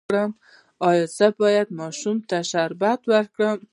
ایا زه باید ماشوم ته شربت ورکړم؟